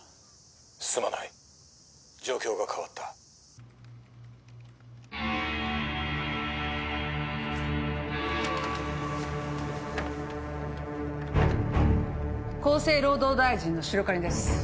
すまない状況が変わった厚生労働大臣の白金です